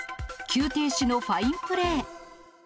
急停止のファインプレー。